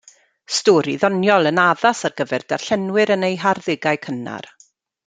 Stori ddoniol yn addas ar gyfer darllenwyr yn eu harddegau cynnar.